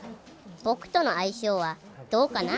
僕との相性はどうかな？